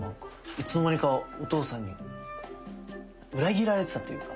いつの間にかお父さんに裏切られてたというか。